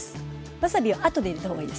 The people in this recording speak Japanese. わさびは後で入れた方がいいです。